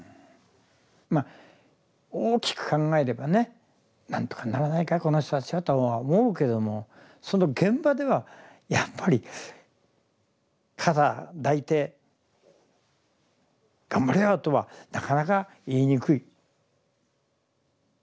まあ大きく考えればね何とかならないかこの人たちはとは思うけどもその現場ではやっぱり肩抱いて「頑張れよ」とはなかなか言いにくい。